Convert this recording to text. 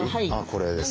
これですね。